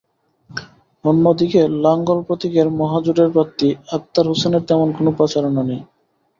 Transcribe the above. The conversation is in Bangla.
অন্যদিকে লাঙ্গল প্রতীকের মহাজোটের প্রার্থী আক্তার হোসেনের তেমন কোনো প্রচারণা নেই।